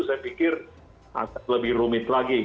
saya pikir akan lebih rumit lagi